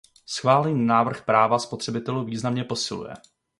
Schválený návrh práva spotřebitelů významně posiluje.